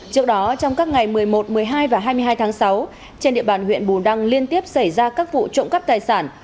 trước đó trong các ngày một mươi một một mươi hai và hai mươi hai tháng sáu trên địa bàn huyện bù đăng liên tiếp xảy ra các vụ trộm cắp tài sản